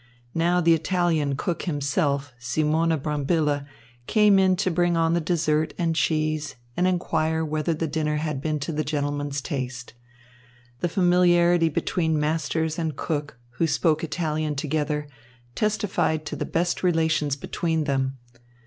Now the Italian cook himself, Simone Brambilla, came in to bring on the dessert and cheese and inquire whether the dinner had been to the gentlemen's taste. The familiarity between masters and cook, who spoke Italian together, testified to the best relations between them.